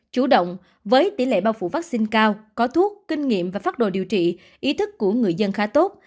chủ động với tỷ lệ bao phủ vaccine cao có thuốc kinh nghiệm và phát đồ điều trị ý thức của người dân khá tốt